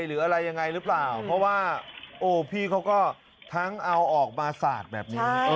หรืออะไรยังไงหรือเปล่าเพราะว่าโอ้พี่เขาก็ทั้งเอาออกมาสาดแบบนี้